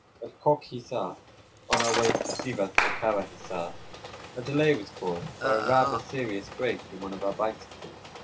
At Koch Hissar, on our way from Sivas to Kara Hissar, a delay was caused by a rather serious break in one of our bicycles.